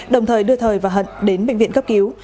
đồng thời đưa thời và hận đến bệnh viện cấp cứu